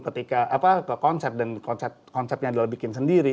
pertama panggung ketika apa konsep dan konsepnya adalah bikin sendiri